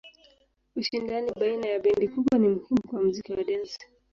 Ushindani baina ya bendi kubwa ni muhimu kwa muziki wa dansi.